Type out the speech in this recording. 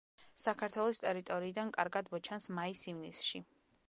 საქართველოს ტერიტორიიდან კარგად მოჩანს მაის-ივნისში.